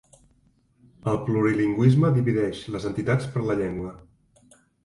El plurilingüisme divideix les entitats per la llengua.